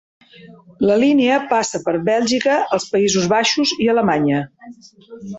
La línia passa per Bèlgica, els Països Baixos i Alemanya.